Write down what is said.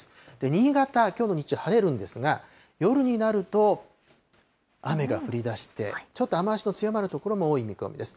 新潟、きょうの日中晴れるんですが、夜になると雨が降りだして、ちょっと雨足の強まる所も多い見込みです。